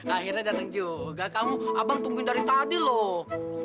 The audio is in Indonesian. akhirnya dateng juga kamu abang ngantuin dari tadi loh